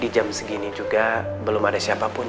di jam segini juga belum ada siapa pulang